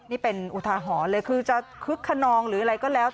นี่เป็นอุทาหรณ์เลยคือจะคึกขนองหรืออะไรก็แล้ว